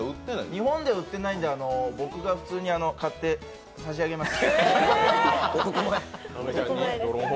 日本では売ってないんで僕が普通に買って、差し上げます。